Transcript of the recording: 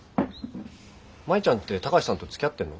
舞ちゃんって貴司さんとつきあってるの？